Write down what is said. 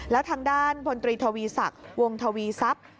แล้วทางด้านพลตรีทวีศักดิ์วงทวีทรัพย์